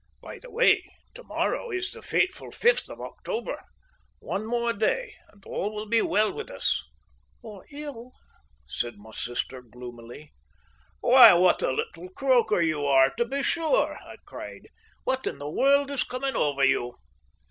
By the way, to morrow is the fateful 5th of October one more day, and all will be well with us." "Or ill," said my sister gloomily. "Why, what a little croaker you are, to be sure!" I cried. "What in the world is coming over you?"